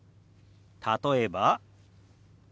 例えば。